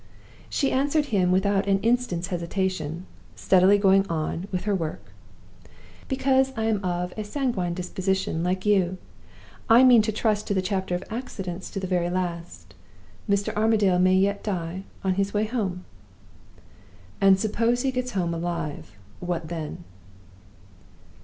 She answered him without an instant's hesitation, steadily going on with her work. "Because I am of a sanguine disposition, like you. I mean to trust to the chapter of accidents to the very last. Mr. Armadale may die yet, on his way home." "And suppose he gets home alive what then?"